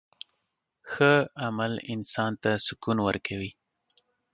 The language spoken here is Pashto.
ښه عمل انسان ته سکون ورکوي.